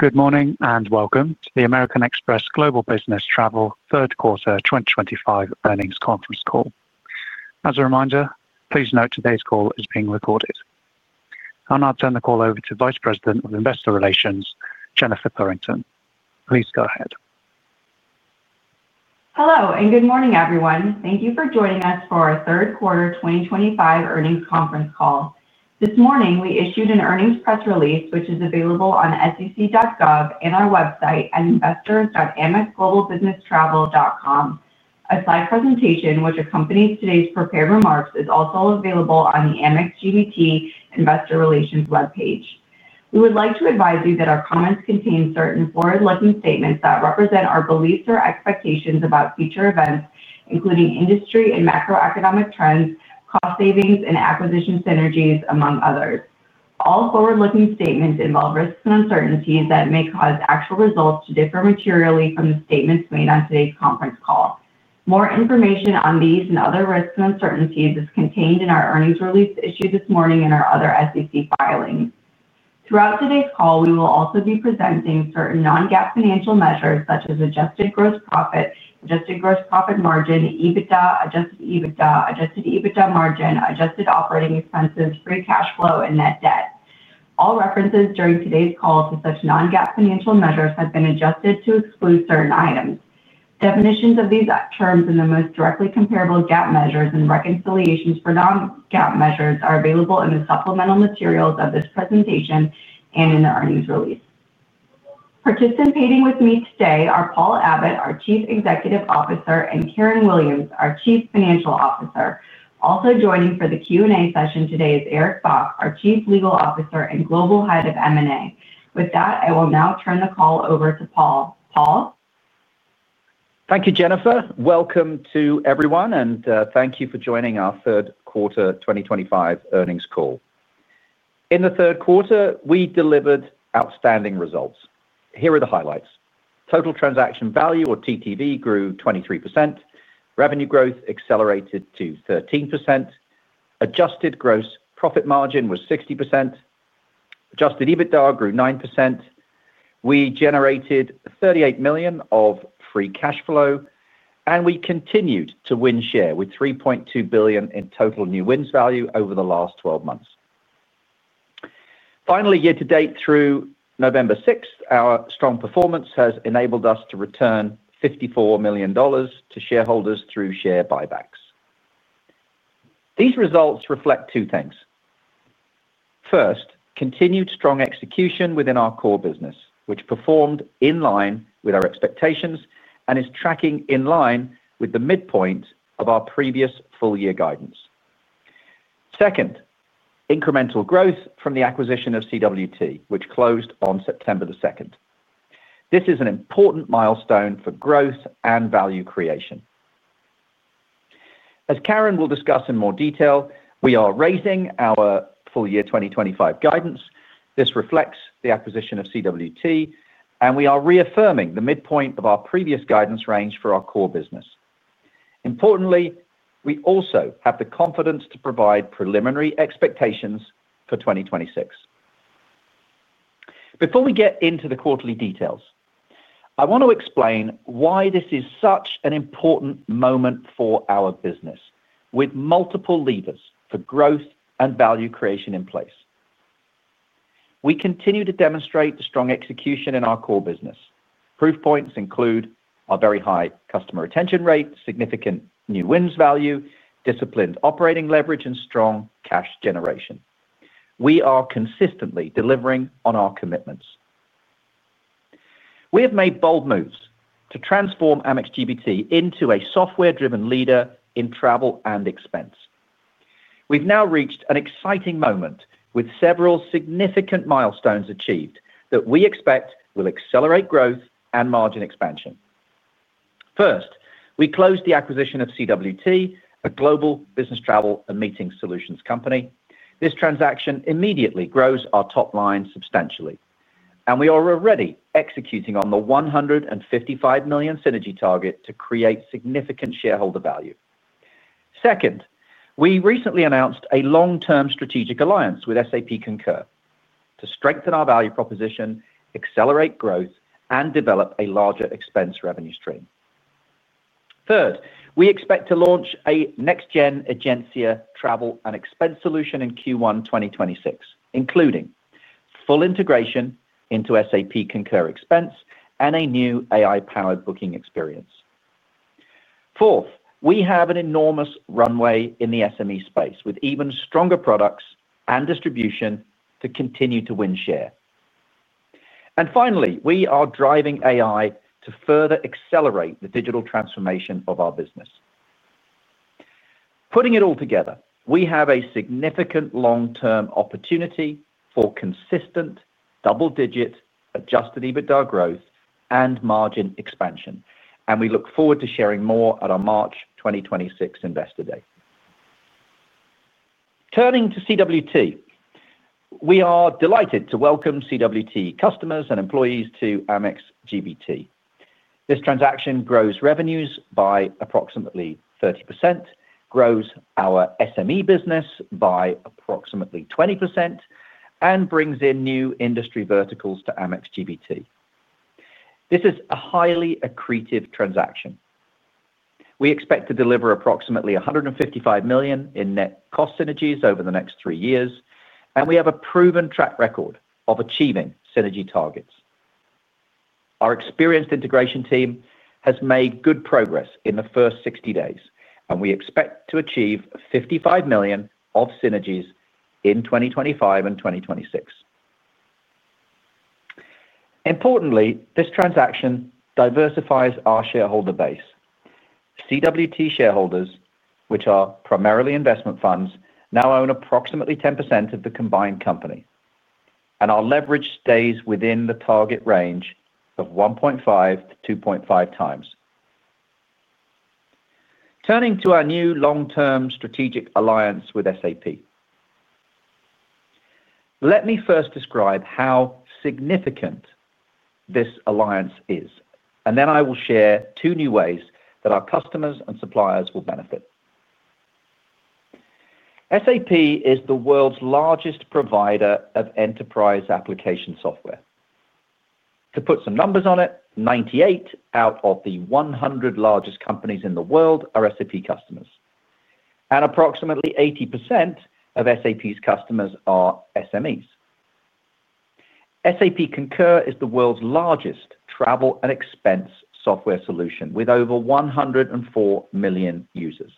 Good morning and welcome to the American Express Global Business Travel Third Quarter 2025 Earnings Conference Call. As a reminder, please note today's call is being recorded. I'll now turn the call over to Vice President of Investor Relations, Jennifer Thorington. Please go ahead. Hello, and good morning, everyone. Thank you for joining us for our Third Quarter 2025 Earnings Conference Call. This morning, we issued an earnings press release, which is available on sec.gov and our website at investors.amxglobalbusinesstravel.com. A slide presentation, which accompanies today's prepared remarks, is also available on the Amex GBT Investor Relations webpage. We would like to advise you that our comments contain certain forward-looking statements that represent our beliefs or expectations about future events, including industry and macroeconomic trends, cost savings, and acquisition synergies, among others. All forward-looking statements involve risks and uncertainties that may cause actual results to differ materially from the statements made on today's conference call. More information on these and other risks and uncertainties is contained in our earnings release issued this morning and our other SEC filings. Throughout today's call, we will also be presenting certain non-GAAP financial measures, such as adjusted gross profit, adjusted gross profit margin, EBITDA, adjusted EBITDA, adjusted EBITDA margin, adjusted operating expenses, free cash flow, and net debt. All references during today's call to such non-GAAP financial measures have been adjusted to exclude certain items. Definitions of these terms and the most directly comparable GAAP measures and reconciliations for non-GAAP measures are available in the supplemental materials of this presentation and in the earnings release. Participating with me today are Paul Abbott, our Chief Executive Officer, and Karen Williams, our Chief Financial Officer. Also joining for the Q&A session today is Eric Bock, our Chief Legal Officer and Global Head of M&A. With that, I will now turn the call over to Paul. Paul. Thank you, Jennifer. Welcome to everyone, and thank you for joining our Third Quarter 2025 Earnings Call. In the third quarter, we delivered outstanding results. Here are the highlights. Total transaction value, or TTV, grew 23%. Revenue growth accelerated to 13%. Adjusted gross profit margin was 60%. Adjusted EBITDA grew 9%. We generated $38 million of free cash flow, and we continued to win share with $3.2 billion in total new wins value over the last 12 months. Finally, year-to-date, through November 6th, our strong performance has enabled us to return $54 million to shareholders through share buybacks. These results reflect two things. First, continued strong execution within our core business, which performed in line with our expectations and is tracking in line with the midpoint of our previous full-year guidance. Second, incremental growth from the acquisition of CWT, which closed on September the 2nd. This is an important milestone for growth and value creation. As Karen will discuss in more detail, we are raising our full-year 2025 guidance. This reflects the acquisition of CWT, and we are reaffirming the midpoint of our previous guidance range for our core business. Importantly, we also have the confidence to provide preliminary expectations for 2026. Before we get into the quarterly details, I want to explain why this is such an important moment for our business, with multiple levers for growth and value creation in place. We continue to demonstrate strong execution in our core business. Proof points include our very high customer retention rate, significant new wins value, disciplined operating leverage, and strong cash generation. We are consistently delivering on our commitments. We have made bold moves to transform Amex GBT into a software-driven leader in travel and expense. We've now reached an exciting moment with several significant milestones achieved that we expect will accelerate growth and margin expansion. First, we closed the acquisition of CWT, a global business travel and meeting solutions company. This transaction immediately grows our top line substantially, and we are already executing on the $155 million synergy target to create significant shareholder value. Second, we recently announced a long-term strategic alliance with SAP Concur to strengthen our value proposition, accelerate growth, and develop a larger expense revenue stream. Third, we expect to launch a next-gen Egencia Travel and Expense solution in Q1 2026, including full integration into SAP Concur Expense and a new AI-powered booking experience. Fourth, we have an enormous runway in the SME space with even stronger products and distribution to continue to win share. Finally, we are driving AI to further accelerate the digital transformation of our business. Putting it all together, we have a significant long-term opportunity for consistent double-digit adjusted EBITDA growth and margin expansion, and we look forward to sharing more at our March 2026 Investor Day. Turning to CWT, we are delighted to welcome CWT customers and employees to Amex GBT. This transaction grows revenues by approximately 30%, grows our SME business by approximately 20%, and brings in new industry verticals to Amex GBT. This is a highly accretive transaction. We expect to deliver approximately $155 million in net cost synergies over the next three years, and we have a proven track record of achieving synergy targets. Our experienced integration team has made good progress in the first 60 days, and we expect to achieve $55 million of synergies in 2025 and 2026. Importantly, this transaction diversifies our shareholder base. CWT shareholders, which are primarily investment funds, now own approximately 10% of the combined company, and our leverage stays within the target range of 1.5-2.5x. Turning to our new long-term strategic alliance with SAP Concur, let me first describe how significant this alliance is, and then I will share two new ways that our customers and suppliers will benefit. SAP Concur is the world's largest provider of enterprise application software. To put some numbers on it, 98 out of the 100 largest companies in the world are SAP Concur customers, and approximately 80% of SAP's customers are SMEs. SAP Concur is the world's largest travel and expense software solution with over 104 million users.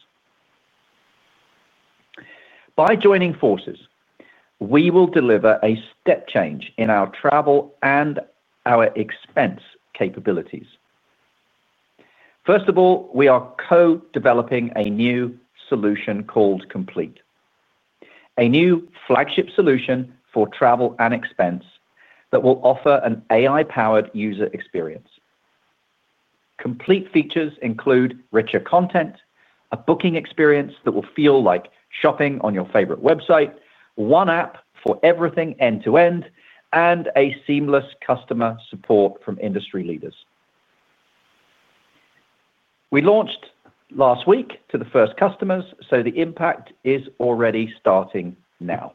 By joining forces, we will deliver a step change in our travel and our expense capabilities. First of all, we are co-developing a new solution called Complete, a new flagship solution for travel and expense that will offer an AI-powered user experience. Complete features include richer content, a booking experience that will feel like shopping on your favorite website, one app for everything end-to-end, and a seamless customer support from industry leaders. We launched last week to the first customers, so the impact is already starting now.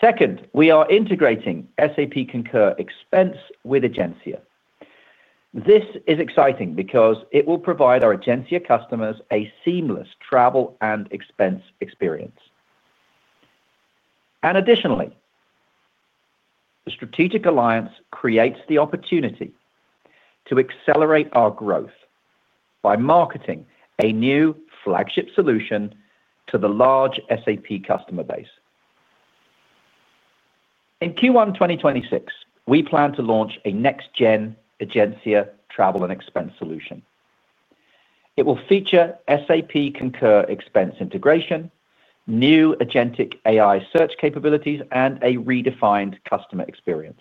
Second, we are integrating SAP Concur Expense with Egencia. This is exciting because it will provide our Egencia customers a seamless travel and expense experience. Additionally, the strategic alliance creates the opportunity to accelerate our growth by marketing a new flagship solution to the large SAP Concur customer base. In Q1 2026, we plan to launch a next-gen Egencia travel and expense solution. It will feature SAP Concur Expense integration, new agentic AI search capabilities, and a redefined customer experience.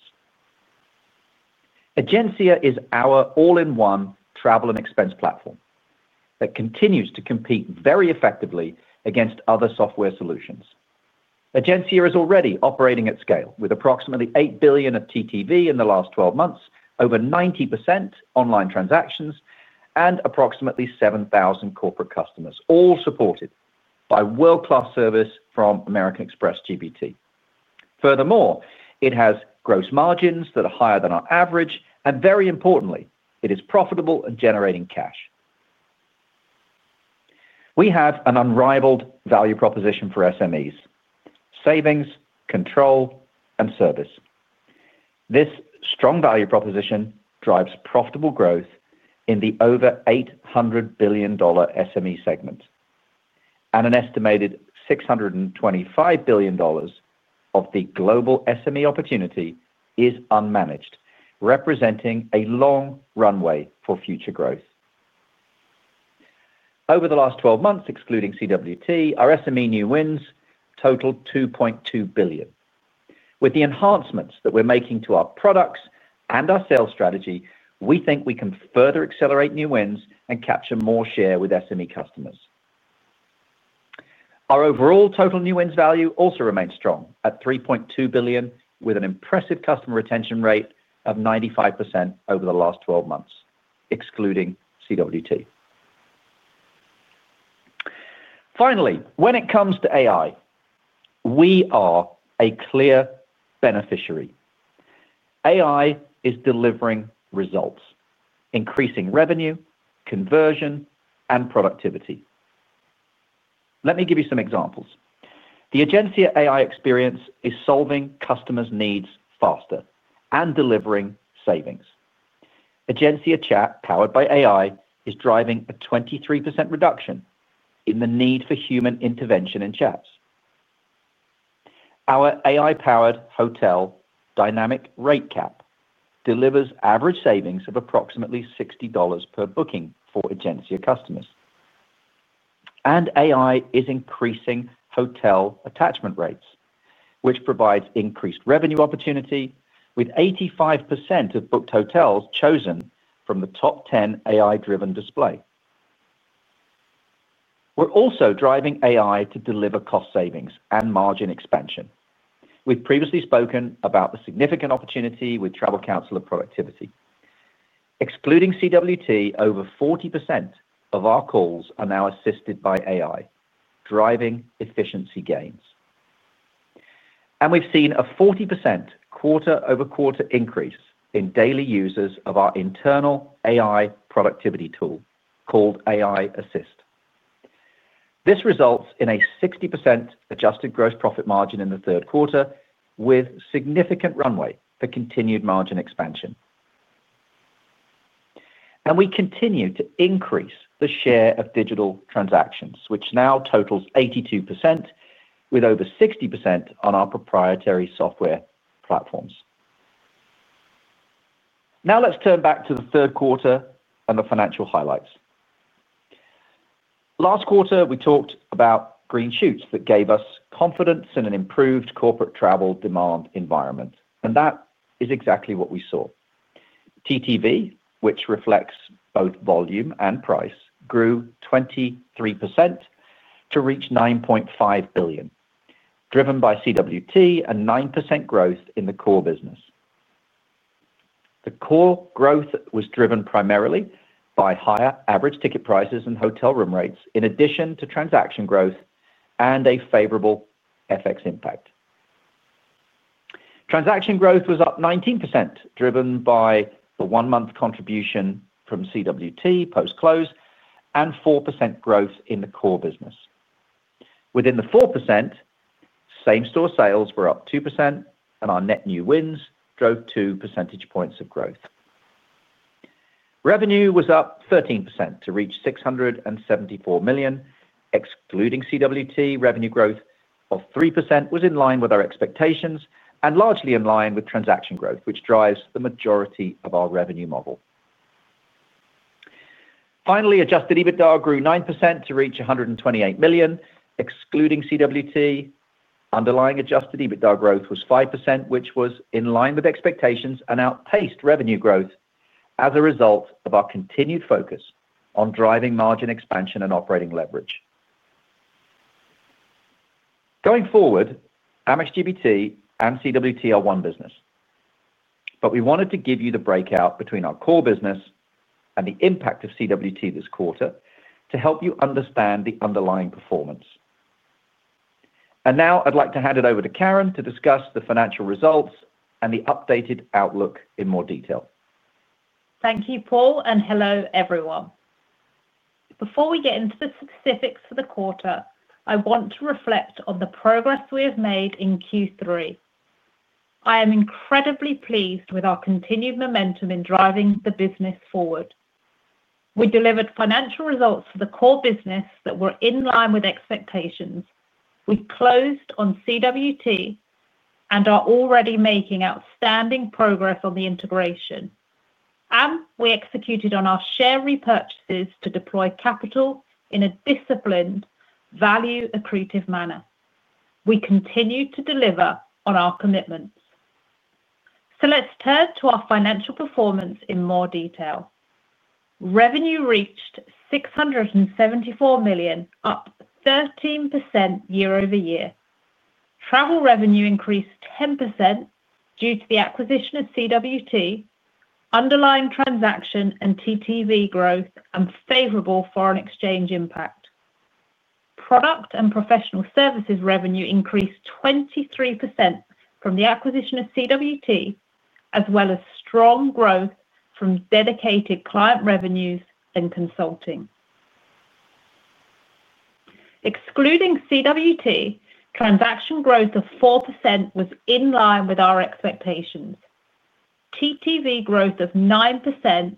Egencia is our all-in-one travel and expense platform that continues to compete very effectively against other software solutions. Egencia is already operating at scale with approximately $8 billion of TTV in the last 12 months, over 90% online transactions, and approximately 7,000 corporate customers, all supported by world-class service from American Express Global Business Travel. Furthermore, it has gross margins that are higher than our average, and very importantly, it is profitable and generating cash. We have an unrivaled value proposition for SMEs: savings, control, and service. This strong value proposition drives profitable growth in the over $800 billion SME segment, and an estimated $625 billion of the global SME opportunity is unmanaged, representing a long runway for future growth. Over the last 12 months, excluding CWT, our SME new wins totaled $2.2 billion. With the enhancements that we're making to our products and our sales strategy, we think we can further accelerate new wins and capture more share with SME customers. Our overall total new wins value also remains strong at $3.2 billion, with an impressive customer retention rate of 95% over the last 12 months, excluding CWT. Finally, when it comes to AI, we are a clear beneficiary. AI is delivering results, increasing revenue, conversion, and productivity. Let me give you some examples. The Egencia AI experience is solving customers' needs faster and delivering savings. Egencia chat powered by AI is driving a 23% reduction in the need for human intervention in chats. Our AI-powered hotel dynamic rate cap delivers average savings of approximately $60 per booking for Egencia customers. AI is increasing hotel attachment rates, which provides increased revenue opportunity, with 85% of booked hotels chosen from the top 10 AI-driven display. We are also driving AI to deliver cost savings and margin expansion. We have previously spoken about the significant opportunity with travel council productivity. Excluding CWT, over 40% of our calls are now assisted by AI, driving efficiency gains. We have seen a 40% quarter-over-quarter increase in daily users of our internal AI productivity tool called AI Assist. This results in a 60% adjusted gross profit margin in the third quarter, with significant runway for continued margin expansion. We continue to increase the share of digital transactions, which now totals 82%, with over 60% on our proprietary software platforms. Now let's turn back to the third quarter and the financial highlights. Last quarter, we talked about green shoots that gave us confidence in an improved corporate travel demand environment, and that is exactly what we saw. TTV, which reflects both volume and price, grew 23% to reach $9.5 billion, driven by CWT and 9% growth in the core business. The core growth was driven primarily by higher average ticket prices and hotel room rates, in addition to transaction growth and a favorable FX impact. Transaction growth was up 19%, driven by the one-month contribution from CWT post-close and 4% growth in the core business. Within the 4%, same-store sales were up 2%, and our net new wins drove 2 percentage points of growth. Revenue was up 13% to reach $674 million. Excluding CWT, revenue growth of 3% was in line with our expectations and largely in line with transaction growth, which drives the majority of our revenue model. Finally, adjusted EBITDA grew 9% to reach $128 million. Excluding CWT, underlying adjusted EBITDA growth was 5%, which was in line with expectations and outpaced revenue growth as a result of our continued focus on driving margin expansion and operating leverage. Going forward, Amex GBT and CWT are one business, but we wanted to give you the breakout between our core business and the impact of CWT this quarter to help you understand the underlying performance. I would like to hand it over to Karen to discuss the financial results and the updated outlook in more detail. Thank you, Paul, and hello, everyone. Before we get into the specifics for the quarter, I want to reflect on the progress we have made in Q3. I am incredibly pleased with our continued momentum in driving the business forward. We delivered financial results for the core business that were in line with expectations. We closed on CWT and are already making outstanding progress on the integration. We executed on our share repurchases to deploy capital in a disciplined, value-accretive manner. We continue to deliver on our commitments. Let's turn to our financial performance in more detail. Revenue reached $674 million, up 13% year-over-year. Travel revenue increased 10% due to the acquisition of CWT, underlying transaction and TTV growth, and favorable foreign exchange impact. Product and professional services revenue increased 23% from the acquisition of CWT, as well as strong growth from dedicated client revenues and consulting. Excluding CWT, transaction growth of 4% was in line with our expectations. TTV growth of 9%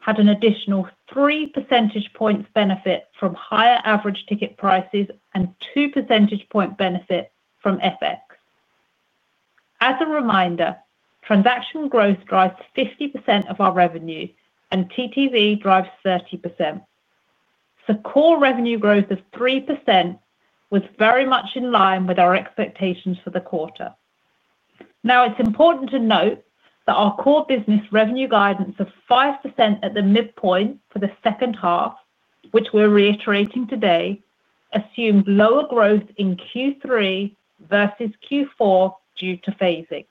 had an additional 3 percentage points benefit from higher average ticket prices and 2 percentage points benefit from FX. As a reminder, transaction growth drives 50% of our revenue, and TTV drives 30%. Core revenue growth of 3% was very much in line with our expectations for the quarter. Now, it's important to note that our core business revenue guidance of 5% at the midpoint for the second half, which we're reiterating today, assumed lower growth in Q3 versus Q4 due to phasing.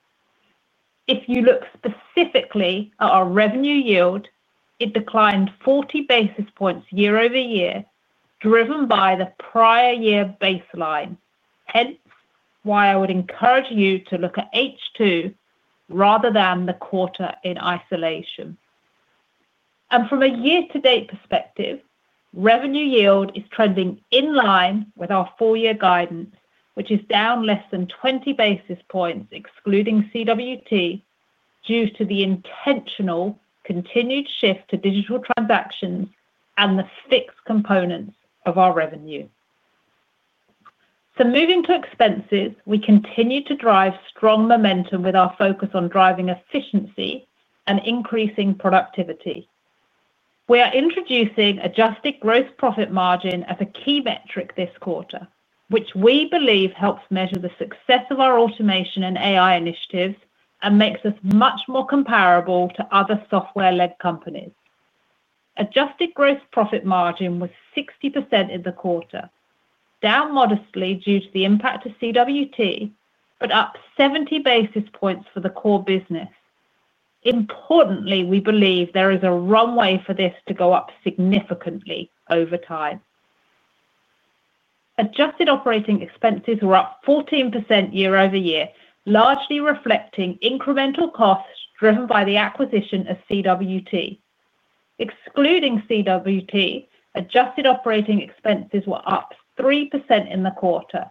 If you look specifically at our revenue yield, it declined 40 basis points year over year, driven by the prior year baseline. Hence while I would encourage you to look at H2 rather than the quarter in isolation. From a year-to-date perspective, revenue yield is trending in line with our four-year guidance, which is down less than 20 basis points excluding CWT due to the intentional continued shift to digital transactions and the fixed components of our revenue. Moving to expenses, we continue to drive strong momentum with our focus on driving efficiency and increasing productivity. We are introducing adjusted gross profit margin as a key metric this quarter, which we believe helps measure the success of our automation and AI initiatives and makes us much more comparable to other software-led companies. Adjusted gross profit margin was 60% in the quarter, down modestly due to the impact of CWT, but up 70 basis points for the core business. Importantly, we believe there is a runway for this to go up significantly over time. Adjusted operating expenses were up 14% year-over-year, largely reflecting incremental costs driven by the acquisition of CWT. Excluding CWT, adjusted operating expenses were up 3% in the quarter.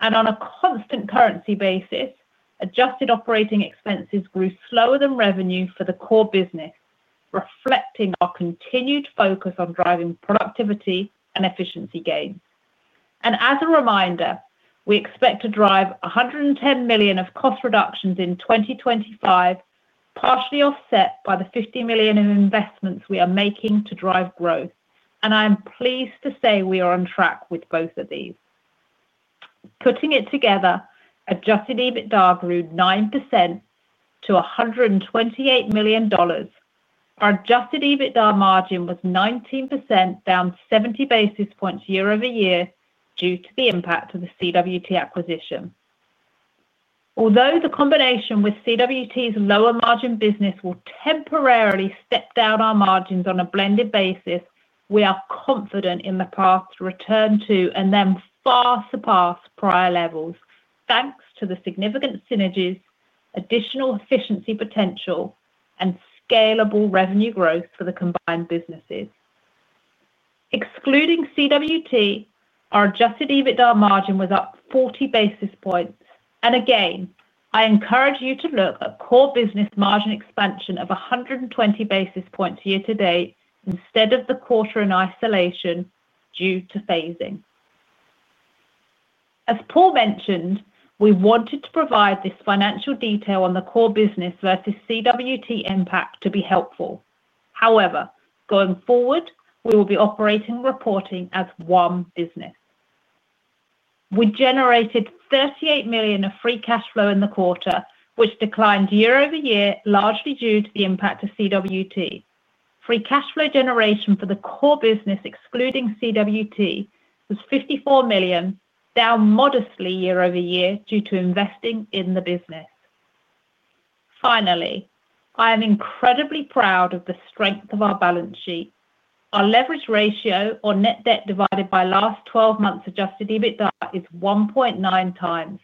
On a constant currency basis, adjusted operating expenses grew slower than revenue for the core business, reflecting our continued focus on driving productivity and efficiency gains. As a reminder, we expect to drive $110 million of cost reductions in 2025, partially offset by the $50 million in investments we are making to drive growth. I am pleased to say we are on track with both of these. Putting it together, adjusted EBITDA grew 9% to $128 million. Our adjusted EBITDA margin was 19%, down 70 basis points year-over-year due to the impact of the CWT acquisition. Although the combination with CWT's lower margin business will temporarily step down our margins on a blended basis, we are confident in the path to return to and then far surpass prior levels, thanks to the significant synergies, additional efficiency potential, and scalable revenue growth for the combined businesses. Excluding CWT, our adjusted EBITDA margin was up 40 basis points. I encourage you to look at core business margin expansion of 120 basis points year-to-date instead of the quarter in isolation due to phasing. As Paul mentioned, we wanted to provide this financial detail on the core business versus CWT impact to be helpful. However, going forward, we will be operating reporting as one business. We generated $38 million of free cash flow in the quarter, which declined year-over -year, largely due to the impact of CWT. Free cash flow generation for the core business, excluding CWT, was $54 million, down modestly year over year due to investing in the business. Finally, I am incredibly proud of the strength of our balance sheet. Our leverage ratio, or net debt divided by last 12 months' adjusted EBITDA, is 1.9x,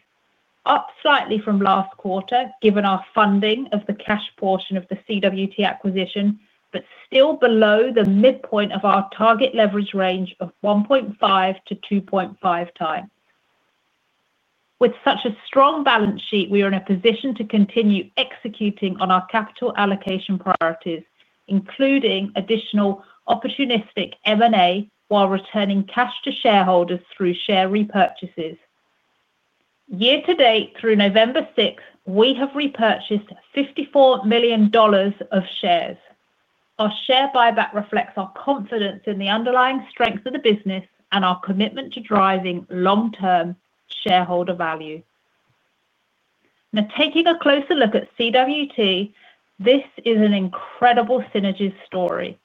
up slightly from last quarter, given our funding of the cash portion of the CWT acquisition, but still below the midpoint of our target leverage range of 1.5x-2.5x. With such a strong balance sheet, we are in a position to continue executing on our capital allocation priorities, including additional opportunistic M&A while returning cash to shareholders through share repurchases. Year-to-date, through November 6, we have repurchased $54 million of shares. Our share buyback reflects our confidence in the underlying strength of the business and our commitment to driving long-term shareholder value. Now, taking a closer look at CWT, this is an incredible synergy story.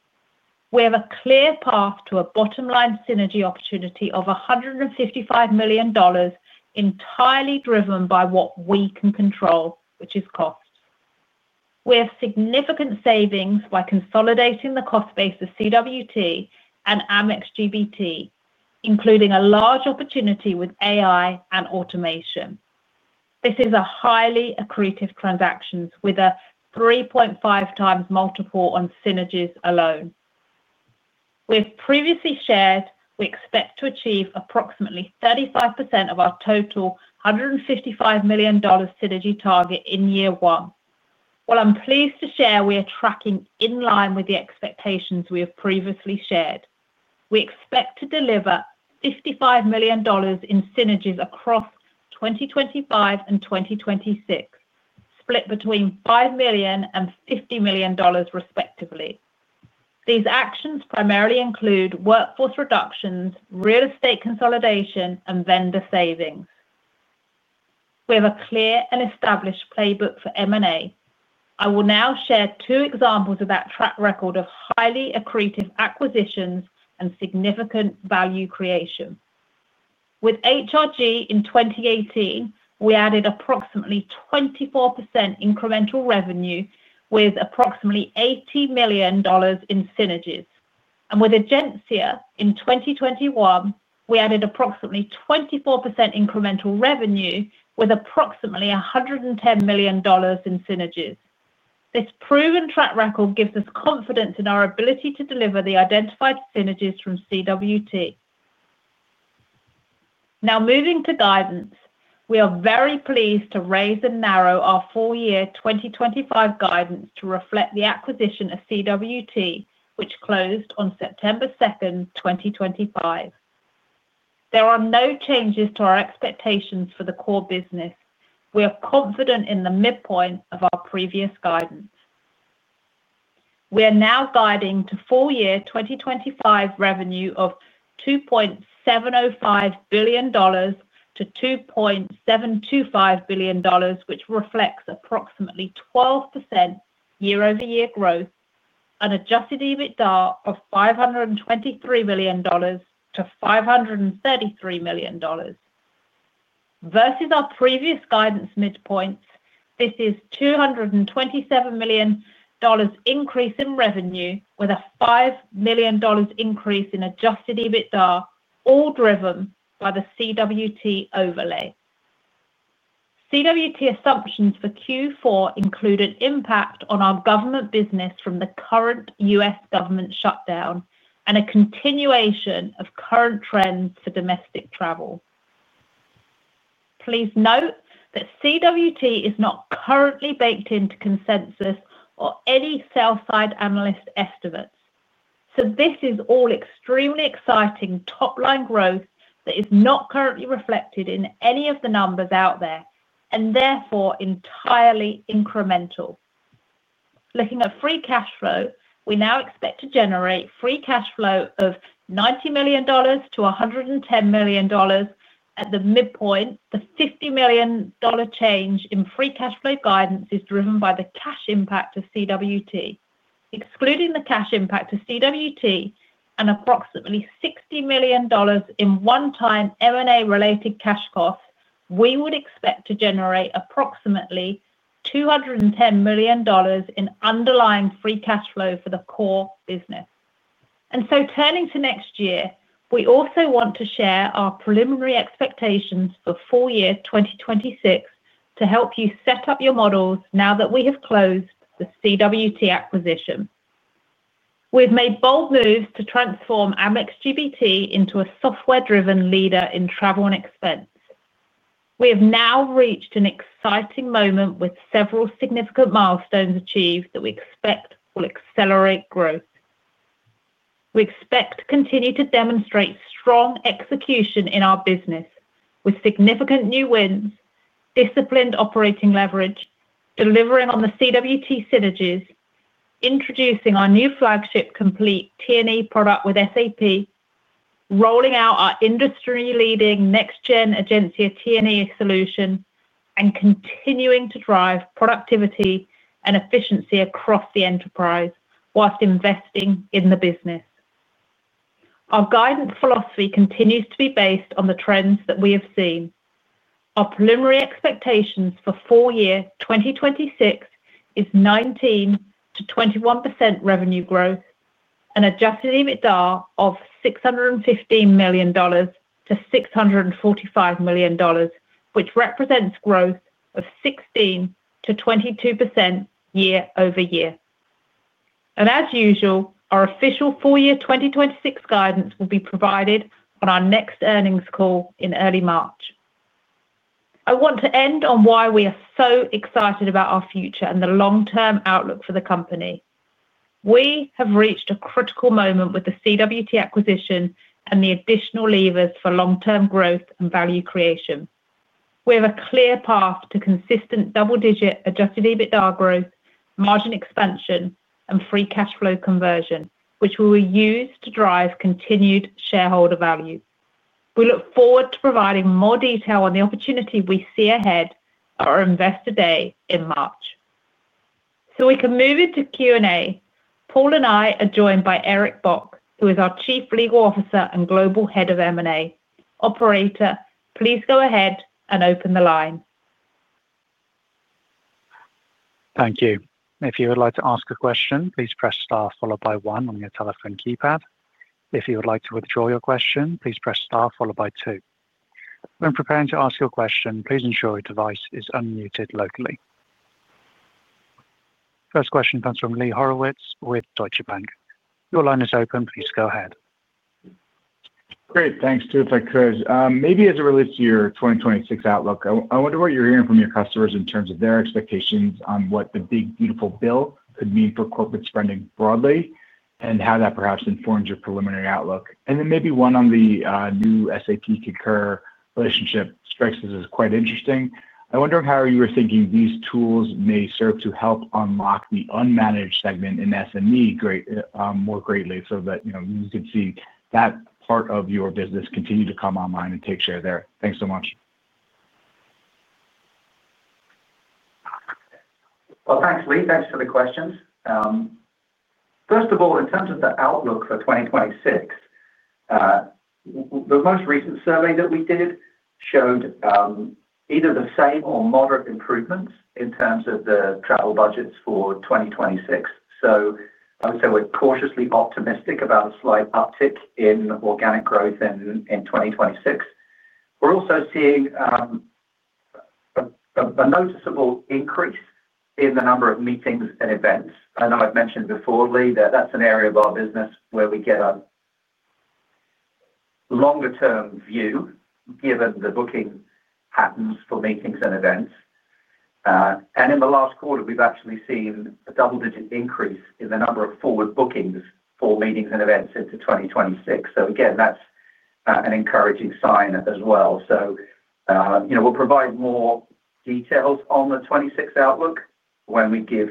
We have a clear path to a bottom-line synergy opportunity of $155 million, entirely driven by what we can control, which is cost. We have significant savings by consolidating the cost base of CWT and Amex GBT, including a large opportunity with AI and automation. This is a highly accretive transaction with a 3.5x multiple on synergies alone. We have previously shared we expect to achieve approximately 35% of our total $155 million synergy target in year one. I am pleased to share we are tracking in line with the expectations we have previously shared. We expect to deliver $55 million in synergies across 2025 and 2026, split between $5 million and $50 million, respectively. These actions primarily include workforce reductions, real estate consolidation, and vendor savings. We have a clear and established playbook for M&A. I will now share two examples of that track record of highly accretive acquisitions and significant value creation. With HRG in 2018, we added approximately 24% incremental revenue with approximately $80 million in synergies. With Egencia in 2021, we added approximately 24% incremental revenue with approximately $110 million in synergies. This proven track record gives us confidence in our ability to deliver the identified synergies from CWT. Now, moving to guidance, we are very pleased to raise and narrow our full-year 2025 guidance to reflect the acquisition of CWT, which closed on September 2, 2025. There are no changes to our expectations for the core business. We are confident in the midpoint of our previous guidance. We are now guiding to full-year 2025 revenue of $2.705 billion-$2.725 billion, which reflects approximately 12% year-over-year growth, and adjusted EBITDA of $523 million-$533 million. Versus our previous guidance midpoints, this is a $227 million increase in revenue with a $5 million increase in adjusted EBITDA, all driven by the CWT overlay. CWT assumptions for Q4 included impact on our government business from the current U.S. government shutdown and a continuation of current trends for domestic travel. Please note that CWT is not currently baked into consensus or any sell-side analyst estimates. This is all extremely exciting top-line growth that is not currently reflected in any of the numbers out there and therefore entirely incremental. Looking at free cash flow, we now expect to generate free cash flow of $90 million-$110 million at the midpoint. The $50 million change in free cash flow guidance is driven by the cash impact of CWT. Excluding the cash impact of CWT and approximately $60 million in one-time M&A-related cash costs, we would expect to generate approximately $210 million in underlying free cash flow for the core business. Turning to next year, we also want to share our preliminary expectations for full-year 2026 to help you set up your models now that we have closed the CWT acquisition. We have made bold moves to transform Amex GBT into a software-driven leader in travel and expense. We have now reached an exciting moment with several significant milestones achieved that we expect will accelerate growth. We expect to continue to demonstrate strong execution in our business with significant new wins, disciplined operating leverage, delivering on the CWT synergies, introducing our new flagship Complete T&E product with SAP, rolling out our industry-leading next-gen Egencia T&E solution, and continuing to drive productivity and efficiency across the enterprise whilst investing in the business. Our guidance philosophy continues to be based on the trends that we have seen. Our preliminary expectations for full-year 2026 is 19%-21% revenue growth, an adjusted EBITDA of $615 million-$645 million, which represents growth of 16%-22% year-over-year. As usual, our official full-year 2026 guidance will be provided on our next earnings call in early March. I want to end on why we are so excited about our future and the long-term outlook for the company. We have reached a critical moment with the CWT acquisition and the additional levers for long-term growth and value creation. We have a clear path to consistent double-digit adjusted EBITDA growth, margin expansion, and free cash flow conversion, which will be used to drive continued shareholder value. We look forward to providing more detail on the opportunity we see ahead at our investor day in March. We can move into Q&A. Paul and I are joined by Eric Bock, who is our Chief Legal Officer and Global Head of M&A. Operator, please go ahead and open the line. Thank you. If you would like to ask a question, please press star followed by one on your telephone keypad. If you would like to withdraw your question, please press star followed by two. When preparing to ask your question, please ensure your device is unmuted locally. First question comes from Lee Horowitz with Deutsche Bank. Your line is open. Please go ahead. Great. Thanks, If I could, maybe as it relates to your 2026 outlook, I wonder what you're hearing from your customers in terms of their expectations on what the big, beautiful bill could mean for corporate spending broadly and how that perhaps informs your preliminary outlook. Maybe one on the new SAP Concur relationship strikes us as quite interesting. I wonder how you were thinking these tools may serve to help unlock the unmanaged segment in SME more greatly so that you could see that part of your business continue to come online and take share there. Thanks so much. Thanks, Lee. Thanks for the questions. First of all, in terms of the outlook for 2026, the most recent survey that we did showed either the same or moderate improvements in terms of the travel budgets for 2026. I would say we're cautiously optimistic about a slight uptick in organic growth in 2026. We're also seeing a noticeable increase in the number of meetings and events. I know I've mentioned before, Lee, that that's an area of our business where we get a longer-term view given the booking patterns for meetings and events. In the last quarter, we've actually seen a double-digit increase in the number of forward bookings for meetings and events into 2026. Again, that's an encouraging sign as well. We'll provide more details on the 2026 outlook when we give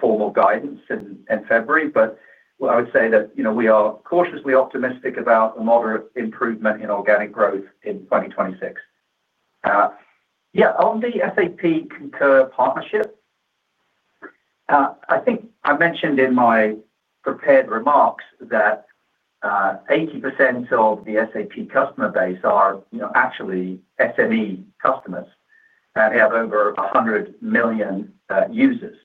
formal guidance in February. I would say that we are cautiously optimistic about a moderate improvement in organic growth in 2026. Yeah, on the SAP Concur partnership, I think I mentioned in my prepared remarks that 80% of the SAP customer base are actually SME customers and have over 100 million users.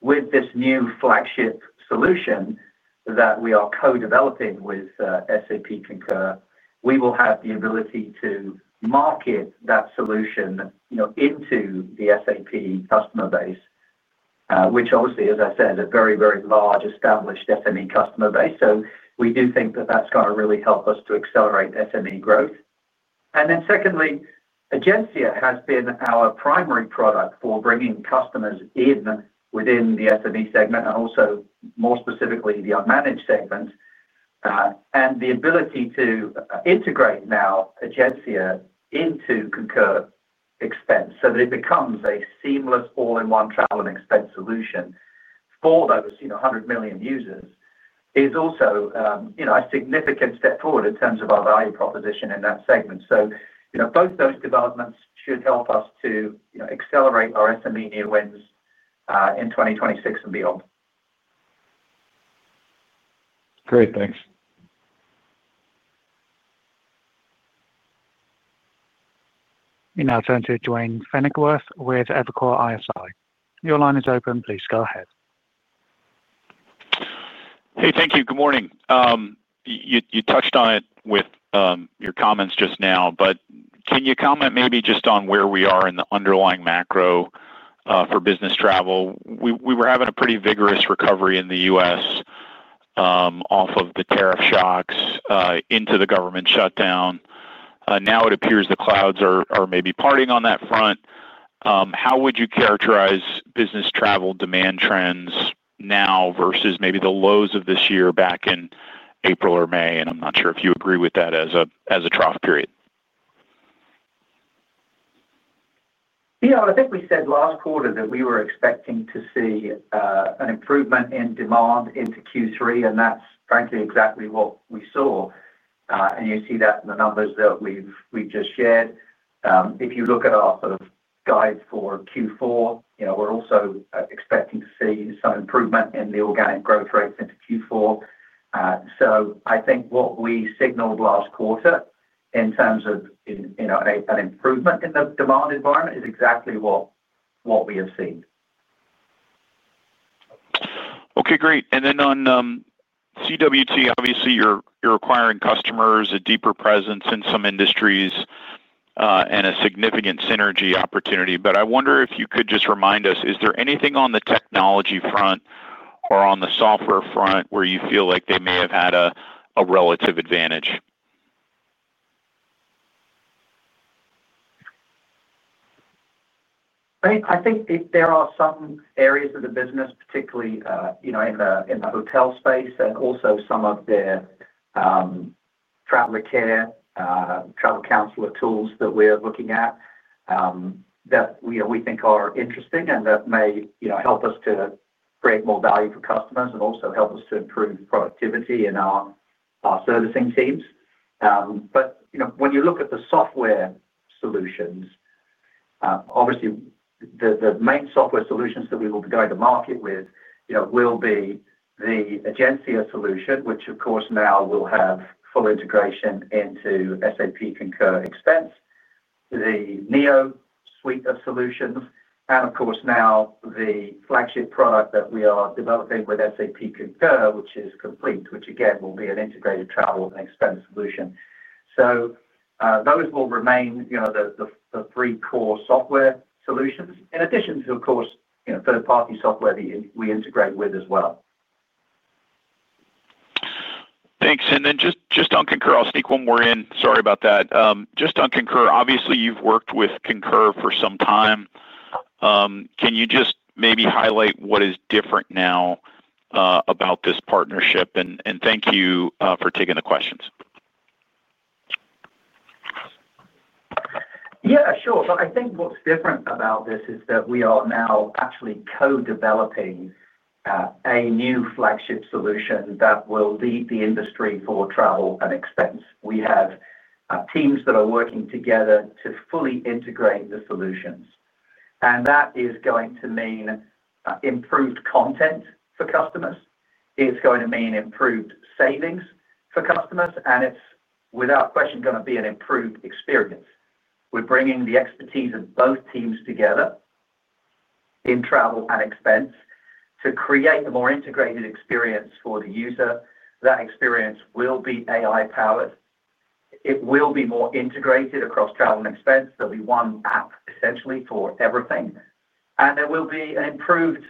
With this new flagship solution that we are co-developing with SAP Concur, we will have the ability to market that solution into the SAP Concur customer base, which obviously, as I said, is a very, very large established SME customer base. We do think that that's going to really help us to accelerate SME growth. Secondly, Egencia has been our primary product for bringing customers in within the SME segment and also, more specifically, the unmanaged segment, and the ability to integrate now Egencia into Concur Expense so that it becomes a seamless all-in-one travel and expense solution for those 100 million users is also a significant step forward in terms of our value proposition in that segment. Both those developments should help us to accelerate our SME new wins in 2026 and beyond. Great. Thanks. We now turn to Duane Pfennigwerth with Evercore ISI. Your line is open. Please go ahead. Hey, thank you. Good morning. You touched on it with your comments just now, but can you comment maybe just on where we are in the underlying macro for business travel? We were having a pretty vigorous recovery in the U.S. off of the tariff shocks into the government shutdown. Now it appears the clouds are maybe parting on that front. How would you characterize business travel demand trends now versus maybe the lows of this year back in April or May? I'm not sure if you agree with that as a trough period. Yeah, I think we said last quarter that we were expecting to see an improvement in demand into Q3, and that's frankly exactly what we saw. You see that in the numbers that we've just shared. If you look at our sort of guide for Q4, we're also expecting to see some improvement in the organic growth rates into Q4. I think what we signaled last quarter in terms of an improvement in the demand environment is exactly what we have seen. Okay, great. Then on CWT, obviously, you're acquiring customers, a deeper presence in some industries, and a significant synergy opportunity. I wonder if you could just remind us, is there anything on the technology front or on the software front where you feel like they may have had a relative advantage? I think there are some areas of the business, particularly in the hotel space, and also some of their travel care, travel counselor tools that we're looking at that we think are interesting and that may help us to create more value for customers and also help us to improve productivity in our servicing teams. When you look at the software solutions, obviously, the main software solutions that we will be going to market with will be the Egencia solution, which, of course, now will have full integration into SAP Concur Expense, the NEO suite of solutions, and, of course, now the flagship product that we are developing with SAP Concur, which is Complete, which, again, will be an integrated travel and expense solution. Those will remain the three core software solutions, in addition to, of course, third-party software that we integrate with as well. Thanks. Just on SAP Concur, I'll sneak one more in. Sorry about that. Just on SAP Concur, obviously, you've worked with SAP Concur for some time. Can you just maybe highlight what is different now about this partnership? And thank you for taking the questions. Yeah, sure. I think what's different about this is that we are now actually co-developing a new flagship solution that will lead the industry for travel and expense. We have teams that are working together to fully integrate the solutions. That is going to mean improved content for customers. It's going to mean improved savings for customers. It's, without question, going to be an improved experience. We're bringing the expertise of both teams together in travel and expense to create a more integrated experience for the user. That experience will be AI-powered. It will be more integrated across travel and expense. There'll be one app, essentially, for everything. There will be an improved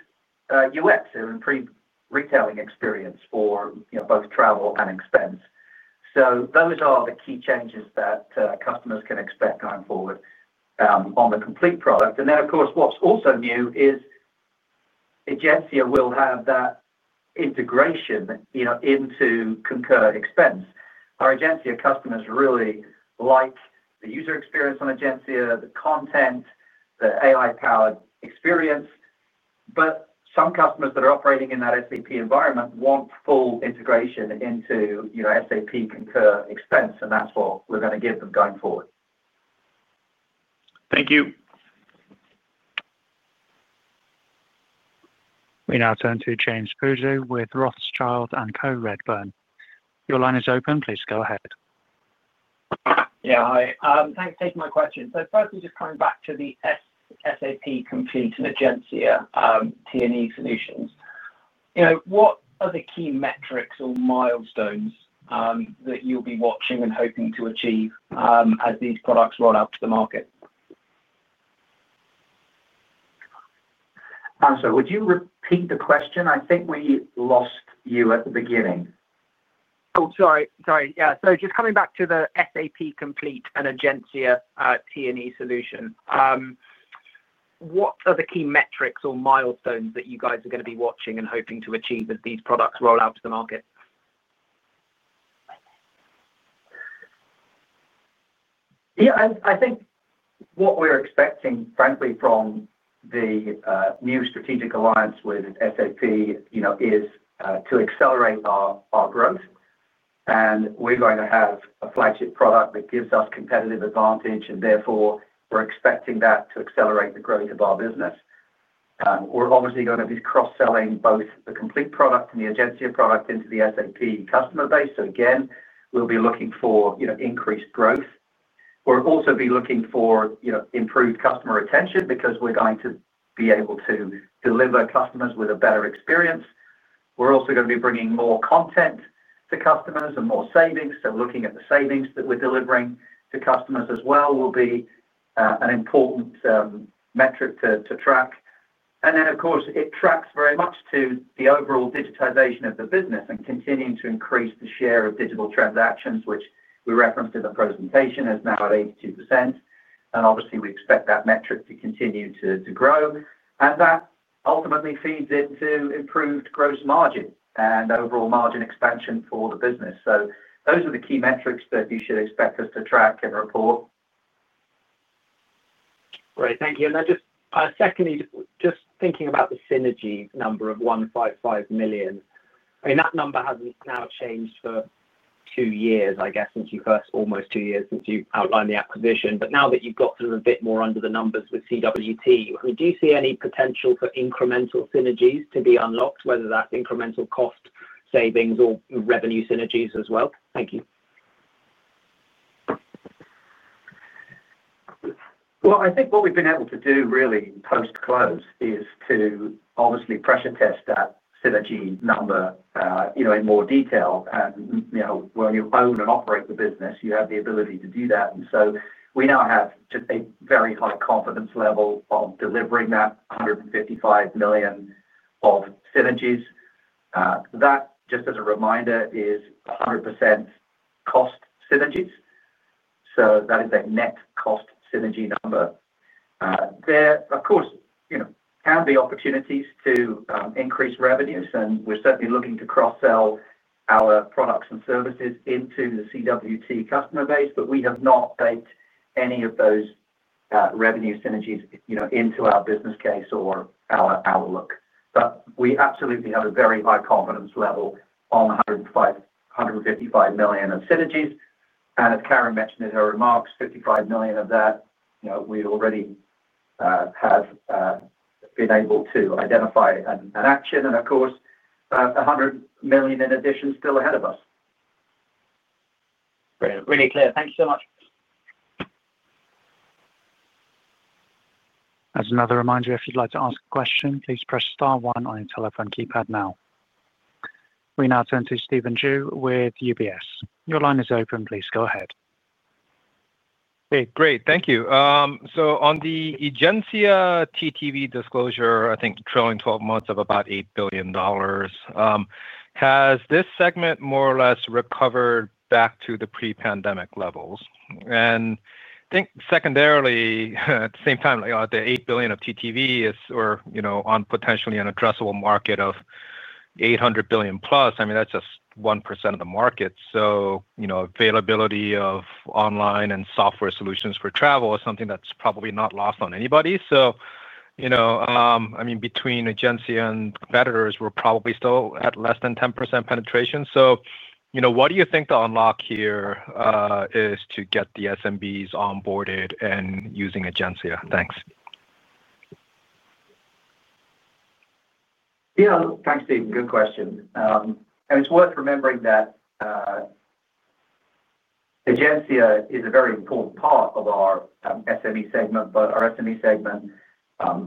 UX, an improved retailing experience for both travel and expense. Those are the key changes that customers can expect going forward on the complete product. Of course, what's also new is Egencia will have that integration into SAP Concur Expense. Our Egencia customers really like the user experience on Egencia, the content, the AI-powered experience. Some customers that are operating in that SAP Concur environment want full integration into SAP Concur Expense. That's what we're going to give them going forward. Thank you. We now turn to [James Puzu] with Rothschild and Co. Redburn. Your line is open. Please go ahead. Yeah, hi. Thanks for taking my question. Firstly, just coming back to the SAP Concur Complete and Egencia T&E solutions, what are the key metrics or milestones that you'll be watching and hoping to achieve as these products roll out to the market? I'm sorry. Would you repeat the question? I think we lost you at the beginning. Oh, sorry. Yeah. Just coming back to the SAP Concur Complete and Egencia T&E solution, what are the key metrics or milestones that you guys are going to be watching and hoping to achieve as these products roll out to the market? Yeah, I think what we're expecting, frankly, from the new strategic alliance with SAP Concur is to accelerate our growth. We're going to have a flagship product that gives us competitive advantage. Therefore, we're expecting that to accelerate the growth of our business. We're obviously going to be cross-selling both the Complete product and the Egencia product into the SAP Concur customer base. Again, we'll be looking for increased growth. We'll also be looking for improved customer retention because we're going to be able to deliver customers with a better experience. We're also going to be bringing more content to customers and more savings. Looking at the savings that we're delivering to customers as well will be an important metric to track. Of course, it tracks very much to the overall digitization of the business and continuing to increase the share of digital transactions, which we referenced in the presentation as now at 82%. We expect that metric to continue to grow. That ultimately feeds into improved gross margin and overall margin expansion for the business. Those are the key metrics that you should expect us to track and report. Great. Thank you. And then just secondly, just thinking about the synergy number of $155 million, I mean, that number has not now changed for two years, I guess, since you first, almost two years since you outlined the acquisition. But now that you have got sort of a bit more under the numbers with CWT, do you see any potential for incremental synergies to be unlocked, whether that is incremental cost savings or revenue synergies as well? Thank you. I think what we have been able to do really post-close is to obviously pressure test that synergy number in more detail. When you own and operate the business, you have the ability to do that. We now have just a very high confidence level of delivering that $155 million of synergies. That, just as a reminder, is 100% cost synergies. That is a net cost synergy number. There, of course, can be opportunities to increase revenues. We are certainly looking to cross-sell our products and services into the CWT customer base. We have not baked any of those revenue synergies into our business case or our outlook. We absolutely have a very high confidence level on $155 million of synergies. As Karen mentioned in her remarks, $55 million of that we already have been able to identify and action. Of course, $100 million in addition is still ahead of us. Great. Really clear. Thank you so much. As another reminder, if you'd like to ask a question, please press star one on your telephone keypad now. We now turn to Stephen Ju with UBS. Your line is open. Please go ahead. Okay. Great. Thank you. On the Egencia TTV disclosure, I think trailing 12 months of about $8 billion, has this segment more or less recovered back to the pre-pandemic levels? I think secondarily, at the same time, the $8 billion of TTV is on potentially an addressable market of $800 billion plus. I mean, that's just 1% of the market. Availability of online and software solutions for travel is something that's probably not lost on anybody. I mean, between Egencia and competitors, we're probably still at less than 10% penetration. What do you think the unlock here is to get the SMBs onboarded and using Egencia? Thanks. Yeah. Thanks, Stephen. Good question. It's worth remembering that Egencia is a very important part of our SME segment, but our SME segment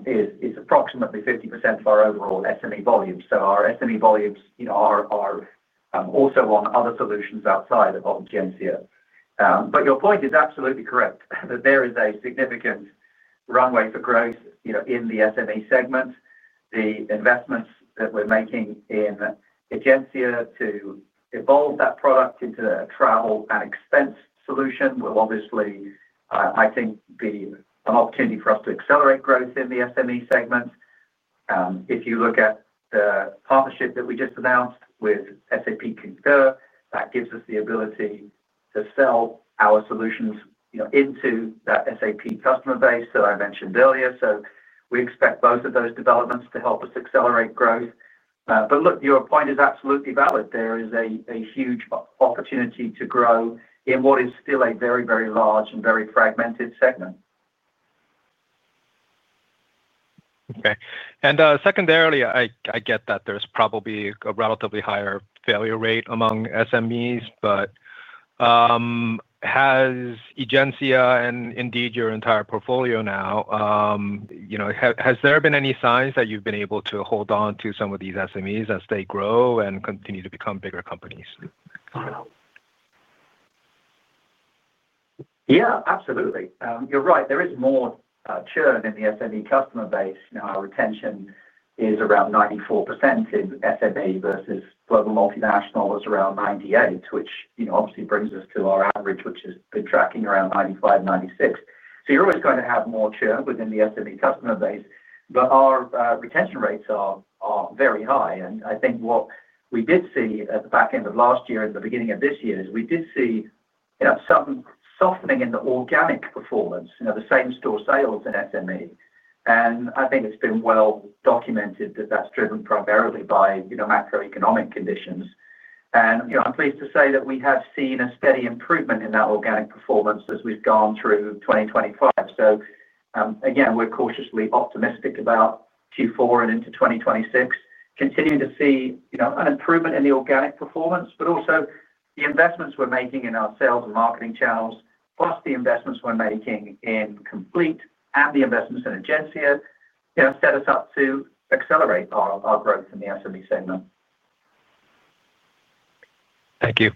is approximately 50% of our overall SME volume. Our SME volumes are also on other solutions outside of Egencia. Your point is absolutely correct, that there is a significant runway for growth in the SME segment. The investments that we're making in Egencia to evolve that product into a travel and expense solution will obviously, I think, be an opportunity for us to accelerate growth in the SME segment. If you look at the partnership that we just announced with SAP Concur, that gives us the ability to sell our solutions into that SAP Concur customer base that I mentioned earlier. We expect both of those developments to help us accelerate growth. Your point is absolutely valid. There is a huge opportunity to grow in what is still a very, very large and very fragmented segment. Okay. Secondarily, I get that there's probably a relatively higher failure rate among SMEs. Has Egencia and indeed your entire portfolio now, has there been any signs that you've been able to hold on to some of these SMEs as they grow and continue to become bigger companies? Yeah, absolutely. You're right. There is more churn in the SME customer base. Our retention is around 94% in SME versus global multinationals around 98%, which obviously brings us to our average, which has been tracking around 95%-96%. You're always going to have more churn within the SME customer base. Our retention rates are very high. I think what we did see at the back end of last year and the beginning of this year is we did see some softening in the organic performance, the same store sales in SME. I think it's been well documented that that's driven primarily by macroeconomic conditions. I'm pleased to say that we have seen a steady improvement in that organic performance as we've gone through 2025. We're cautiously optimistic about Q4 and into 2026, continuing to see an improvement in the organic performance, but also the investments we're making in our sales and marketing channels, plus the investments we're making in complete and the investments in Egencia set us up to accelerate our growth in the SME segment. Thank you.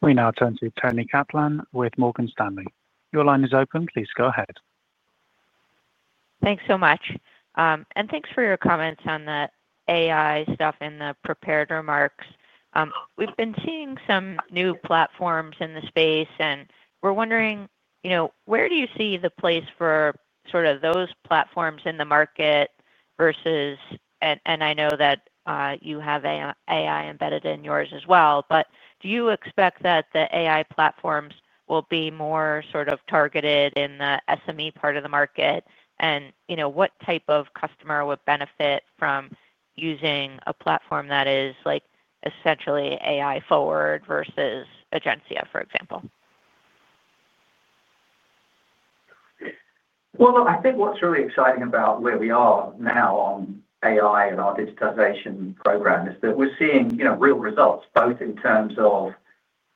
We now turn to Toni Kaplan with Morgan Stanley. Your line is open. Please go ahead. Thanks so much. And thanks for your comments on the AI stuff and the prepared remarks. We've been seeing some new platforms in the space. We're wondering, where do you see the place for sort of those platforms in the market versus—I know that you have AI embedded in yours as well—but do you expect that the AI platforms will be more sort of targeted in the SME part of the market? What type of customer would benefit from using a platform that is essentially AI forward versus Egencia, for example? I think what's really exciting about where we are now on AI and our digitization program is that we're seeing real results, both in terms of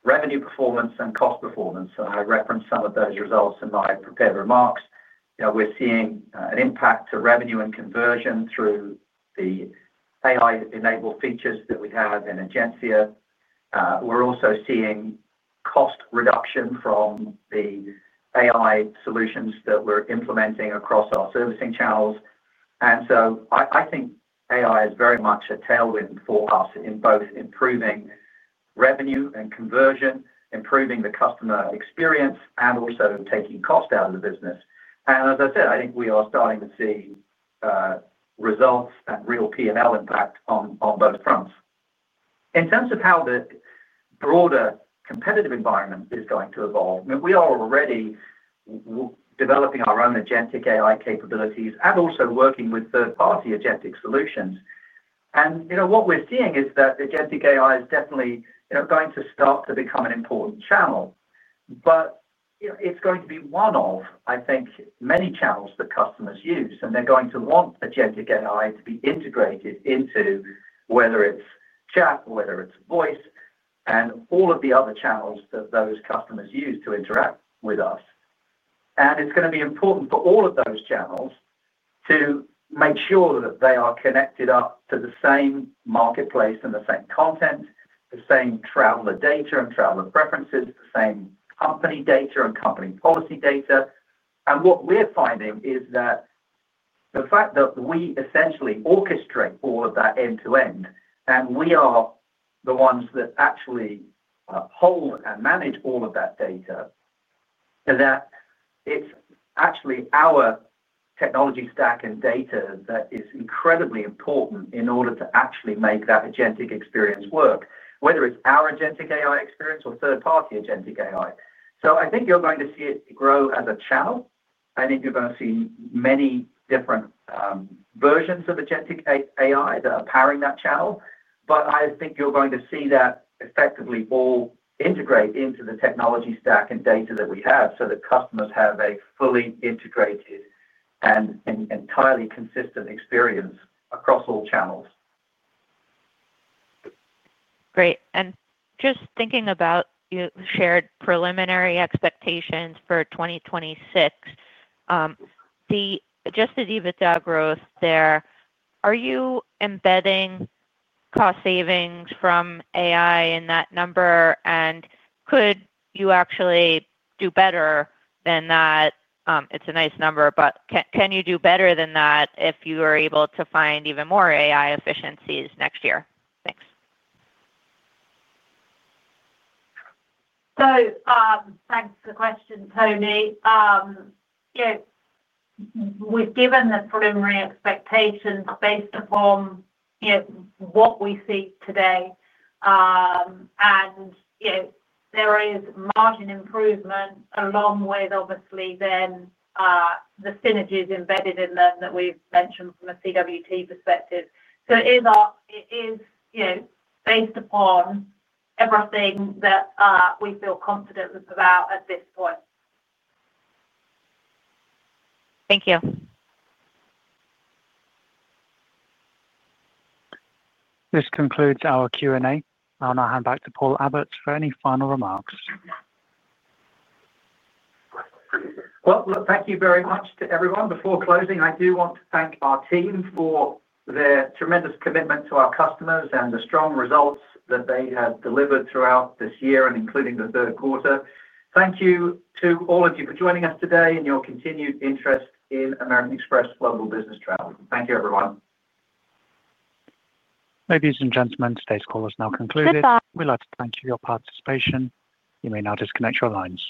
revenue performance and cost performance. I referenced some of those results in my prepared remarks. We're seeing an impact to revenue and conversion through the AI-enabled features that we have in Egencia. We're also seeing cost reduction from the AI solutions that we're implementing across our servicing channels. I think AI is very much a tailwind for us in both improving revenue and conversion, improving the customer experience, and also taking cost out of the business. As I said, I think we are starting to see results and real P&L impact on both fronts. In terms of how the broader competitive environment is going to evolve, we are already developing our own agentic AI capabilities and also working with third-party agentic solutions. What we're seeing is that agentic AI is definitely going to start to become an important channel. It is going to be one of, I think, many channels that customers use. They are going to want agentic AI to be integrated into whether it is chat, whether it is voice, and all of the other channels that those customers use to interact with us. It is going to be important for all of those channels to make sure that they are connected up to the same marketplace and the same content, the same traveler data and traveler preferences, the same company data and company policy data. What we are finding is that the fact that we essentially orchestrate all of that end-to-end, and we are the ones that actually hold and manage all of that data, that it is actually our technology stack and data that is incredibly important in order to actually make that agentic experience work, whether it is our agentic AI experience or third-party agentic AI. I think you are going to see it grow as a channel. I think you are going to see many different versions of agentic AI that are powering that channel. I think you're going to see that effectively all integrate into the technology stack and data that we have so that customers have a fully integrated and entirely consistent experience across all channels. Great. Just thinking about your shared preliminary expectations for 2026, the adjusted EBITDA growth there, are you embedding cost savings from AI in that number? Could you actually do better than that? It's a nice number, but can you do better than that if you are able to find even more AI efficiencies next year? Thanks. Thanks for the question, Tony. We've given the preliminary expectations based upon what we see today. There is margin improvement along with, obviously, then the synergies embedded in them that we've mentioned from a CWT perspective. It is based upon everything that we feel confident about at this point. Thank you. This concludes our Q&A. I'll now hand back to Paul Abbott for any final remarks. Thank you very much to everyone. Before closing, I do want to thank our team for their tremendous commitment to our customers and the strong results that they have delivered throughout this year and including the third quarter. Thank you to all of you for joining us today and your continued interest in American Express Global Business Travel. Thank you, everyone. Ladies and gentlemen, today's call is now concluded. We'd like to thank you for your participation. You may now disconnect your lines.